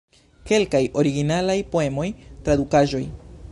Kelkaj originalaj poemoj, tradukaĵoj.